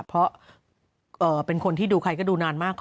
เพราะเป็นคนที่ดูใครก็ดูนานมาก